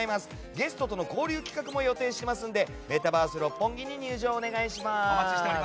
ゲストとの交流企画も予定していますのでメタバース六本木に入場をお願いします。